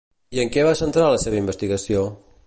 I en què va centrar la seva investigació?